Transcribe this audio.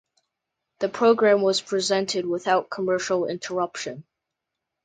The program was presented without commercial interruption.